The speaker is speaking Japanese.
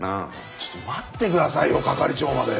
ちょっと待ってくださいよ係長まで。